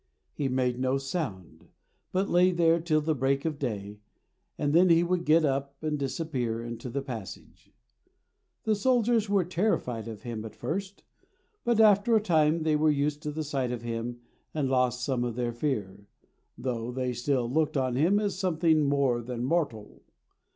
He made no sound, but lay there till the break of day, and then he would get up and disappear into the passage. The soldiers were terrified of him at first, but after a time they were used to the sight of him and lost some of their fear, though they still looked on him as something more than mortal.